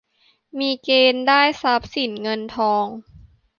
มีเกณฑ์ได้ทรัพย์สินเงินทอง